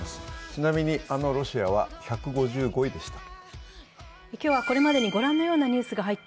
ちなみに、あのロシアは１５５位でした。